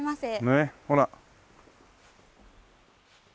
ねえほら。